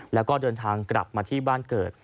แล้วก็เดินทางกลับมาที่บ้านเกิด